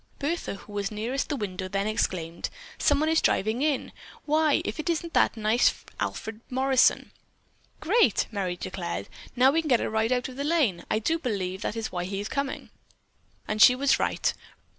Bertha, who was nearest the window, then exclaimed: "Someone is driving in. Why, if it isn't that nice Alfred Morrison." "Great!" Merry declared. "Now we can get a ride out of the lane. I do believe that is why he is coming." And she was right.